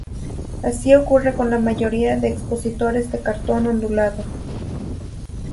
Así ocurre con la mayoría de expositores de cartón ondulado.